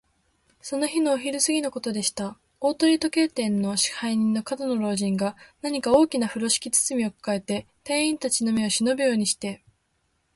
その日のお昼すぎのことでした。大鳥時計店の支配人の門野老人が、何か大きなふろしき包みをかかえて、店員たちの目をしのぶようにして、